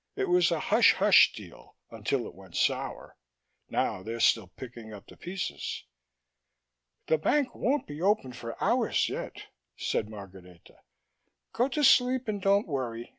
It was a hush hush deal, until it went sour; now they're still picking up the pieces." "The bank won't be open for hours yet," said Margareta. "Go to sleep and don't worry.